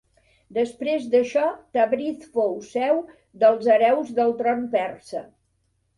Després d'això Tabriz fou seu dels hereus del tron persa.